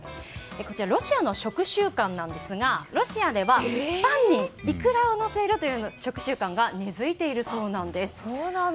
こちらロシアの食習慣なんですがロシアでは、パンにイクラをのせるという食習慣が根付いているそうなんです。